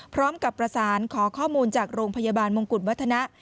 พร้อมกับประสานขอข้อมูลจากโรงพยาบาลมงกุฎวัฒนะ